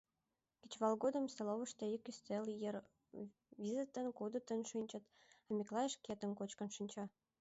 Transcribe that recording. Кечывал годым столовойышто ик ӱстел йыр визытын, кудытын шинчыт, а Миклай шкетын кочкын шинча.